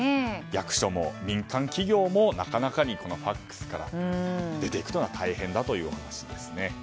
役所も民間企業もなかなかＦＡＸから出ていくのは大変だという話です。